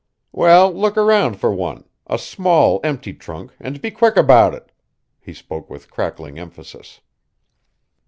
"Well, look around for one a small empty trunk, and be quick about it." He spoke with crackling emphasis.